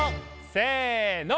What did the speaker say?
せの。